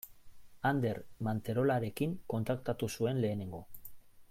Ander Manterolarekin kontaktatu zuen lehenengo.